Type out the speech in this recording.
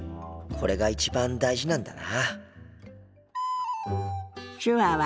これが一番大事なんだな。